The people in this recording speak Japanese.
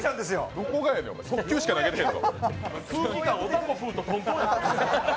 どこがやねん、速球しか投げてこうへん！